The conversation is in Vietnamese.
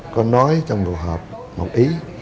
có nói trong đồ họp một ý